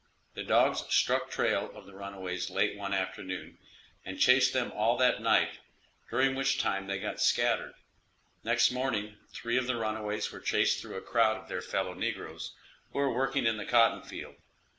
The dogs struck trail of the runaways late one afternoon, and chased them all that night, during which time they got scattered. Next morning three of the runaways were chased through a crowd of their fellow negroes, who were working in the cotton field.